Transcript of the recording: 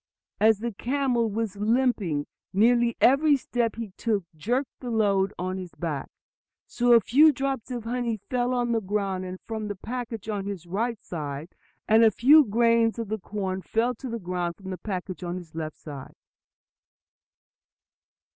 "As the camel was limping, nearly every step he took jerked the load on his back. So a few drops of the honey fell to the ground from the package on his right side, and a few grains of the corn fell to the ground from the package on his left side."